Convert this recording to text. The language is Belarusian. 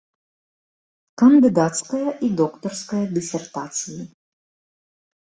Кандыдацкая і доктарская дысертацыі.